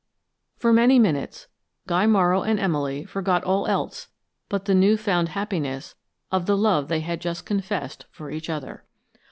For many minutes Guy Morrow and Emily forgot all else but the new found happiness of the love they had just confessed for each other.